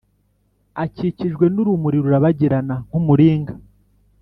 akikijwe n’urumuri rurabagirana nk’umuringa